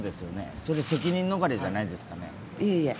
それ責任逃れじゃないですかね。